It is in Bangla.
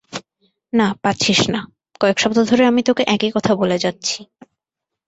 না পাচ্ছিস না, কয়েক সপ্তাহ ধরে আমি তোকে একই কথা বলে যাচ্ছি।